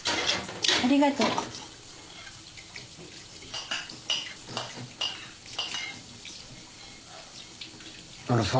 ありがとう。